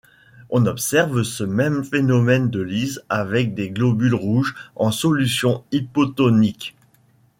On observe ce même phénomène de lyse avec des globules rouges en solution hypotonique.